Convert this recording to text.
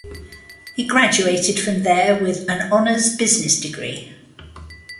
He graduated from there with an Honours Business Degree.